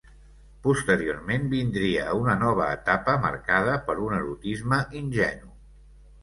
Posteriorment vindria una nova etapa marcada per un erotisme ingenu.